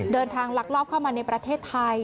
เดินทางหลักรอบเข้ามาในประเทศไทย